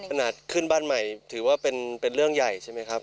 ขนาดขึ้นบ้านใหม่ถือว่าเป็นเรื่องใหญ่ใช่ไหมครับ